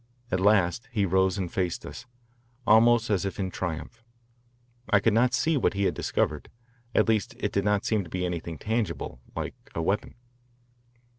At last he rose and faced us, almost as if in triumph. I could not see what he had discovered at least it did not seem to be anything tangible, like a weapon.